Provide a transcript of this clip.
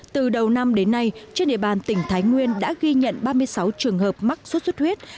từ đầu năm đến nay trên địa bàn tỉnh thái nguyên đã ghi nhận ba mươi sáu trường hợp mắc sốt xuất huyết